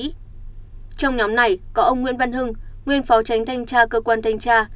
trong nhóm này có ông nguyễn văn hưng nguyên phó tránh thanh tra cơ quan thanh tra